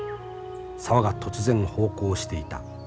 沢が突然咆哮していた。